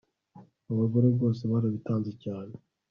Abagore rwose barabitanze cyane